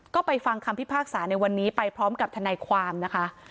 ก็ไปฟังคำพิพากษาในวันนี้ไปพร้อมกับทนายความนะคะ